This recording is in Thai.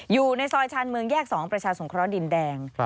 อยู่ในซอยชาญเมืองแยก๒ประชาสงเคราะห์ดินแดง